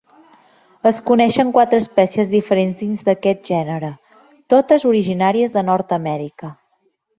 Es coneixen quatre espècies diferents dins d'aquest gènere, totes originàries de Nord-amèrica.